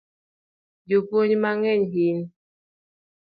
Jopuonj mang'eny hin